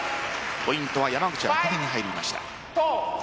ポイントは山口茜に入りました。